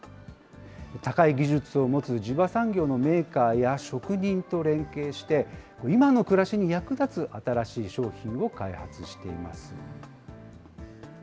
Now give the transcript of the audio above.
高い技術を持つ地場産業のメーカーや職人と連携して、今の暮らしに役立つ新しい商品を開発しています。